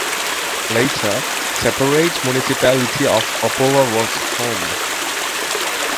Later, separate municipality of Opovo was formed.